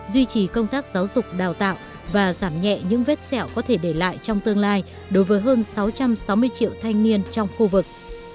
duy trì công tác giáo dục đào tạo và giảm nhẹ những vết sẹo có thể để lại trong tương lai đối với hơn sáu trăm sáu mươi triệu thanh niên trong khu vực